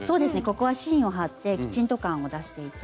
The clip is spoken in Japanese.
ここは芯を貼ってきちんと感を出していて。